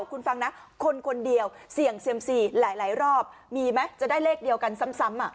ขอบคุณฟังนะคนคนเดียวเสี่ยงเซียมสี่หลายหลายรอบมีไหมจะได้เลขเดียวกันซ้ำซ้ำอ่ะ